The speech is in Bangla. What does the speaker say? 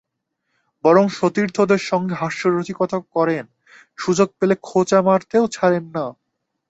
বরং সতীর্থদের সঙ্গে হাস্য-রসিকতাও করেন, সুযোগ পেলে খোঁচা মারতেও ছাড়েন না।